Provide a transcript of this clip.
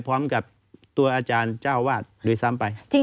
พร้อมกับตัวอาจารย์เจ้าวาดด้วยซ้ำไป